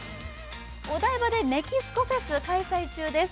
お台場でメキシコフェス開催中です。